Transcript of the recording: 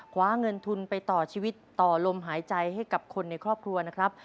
คว้าเงินทุนไปต่อชีวิตต่อลมหายใจให้กับคนในครอบครัวนะครับ